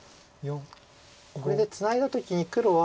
これでツナいだ時に黒は。